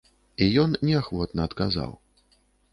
І ён неахвотна адказаў.